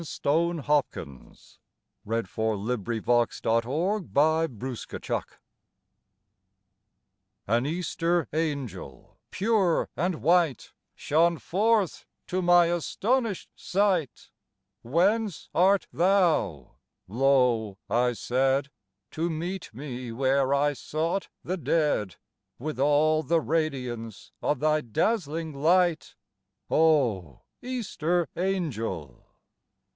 The snowdrop comes ! 18 EASTER CAROLS AN EASTER ANGEL AN Easter angel, pure and white, Shone forth to my astonished sight. "Whence art thou," low I said, " To meet me where I sought the dead, With all the radiance of thy dazzling light, O Easter angel